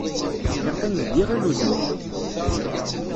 Iqqim deg yiɣil n uzemmur.